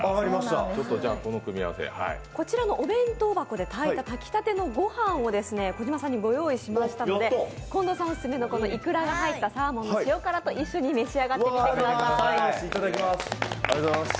こちらのお弁当箱で炊いた炊きたけのご飯をご用意しましたので近藤さんオススメのいくらが入ったサーモン塩辛と一緒に召し上がってみてください。